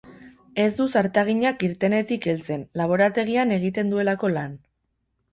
Ez du zartagina kirtenetik heltzen, laborategian egiten duelako lan.